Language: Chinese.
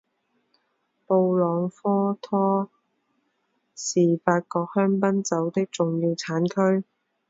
布朗科托是法国香槟酒的重要产区。